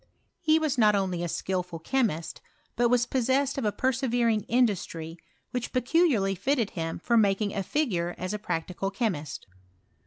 He was not only a skilful chemist, but was possessed of a persevering industry which peculiarly fitted him for making a figure as a practical chemist.